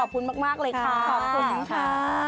ขอบคุณมากเลยค่ะ